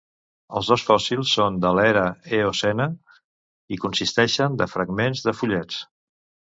Els dos fòssils són de l'era eocena i consisteixen de fragments de fullets.